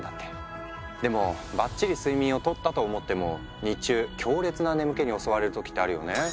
でもばっちり睡眠をとったと思っても日中強烈な眠気に襲われる時ってあるよね。